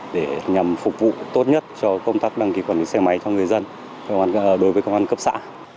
để nhằm phục vụ tốt nhất cho công tác đăng ký quản lý xe máy cho người dân đối với công an cấp xã